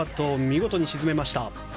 見事に沈めました。